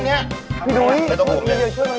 พี่ดุ้ยพี่ดุ้ยเพ้ยต้องพบด้วย